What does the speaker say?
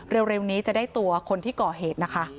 เร็วนี้จะได้ตัวคนที่ก่อเหตุนะคะ